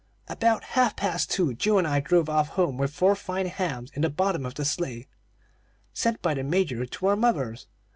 "About half past two, Joe and I drove off home with four fine hams in the bottom of the sleigh, sent by the Major to our mothers.